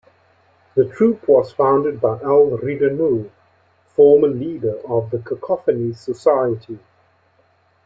The troupe was founded by Al Ridenour, former leader of the Cacophony Society.